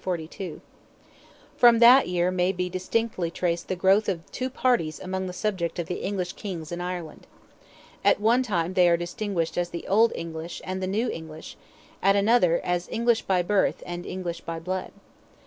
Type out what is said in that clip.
From that year may be distinctly traced the growth of two parties among the subjects of the English Kings in Ireland. At one time they are distinguished as "the old English" and "the new English," at another, as "English by birth" and "English by blood."